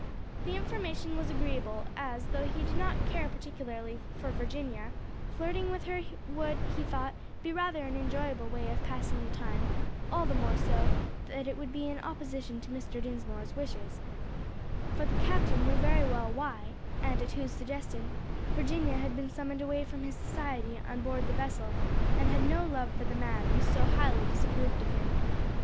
The information was agreeable, as, though he did not care particularly for Virginia, flirting with her would, he thought, be rather an enjoyable way of passing the time; all the more so that it would be in opposition to Mr. Dinsmore's wishes; for the captain knew very well why, and at whose suggestion, Virginia had been summoned away from his society on board the vessel, and had no love for the man who so highly disapproved of him.